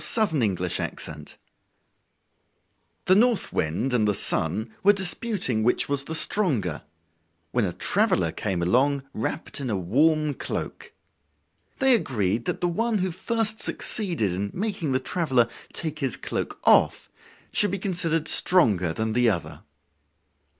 Orthographic version The North Wind and the Sun were disputing which was the stronger, when a traveler came along wrapped in a warm cloak. They agreed that the one who first succeeded in making the traveler take his cloak off should be considered stronger than the other.